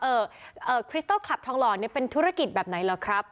เอ่อคริสเตอร์คลับทองหล่อเนี่ยเป็นธุรกิจแบบไหนเหรอครับ